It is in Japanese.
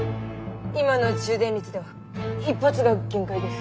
今の充電率では１発が限界です。